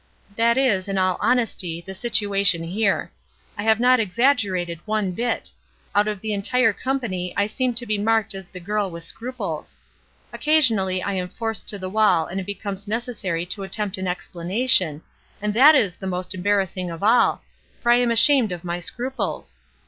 That is, in all honesty, the situation here; I have not exaggerated one bit; out of the entire company I seem to be marked as the girl with scruples. Occasionally I am forced to the wall and it becomes necessary to attempt an explana tion, and that is the most embarrassing of all, for I am ashamed of my scruples.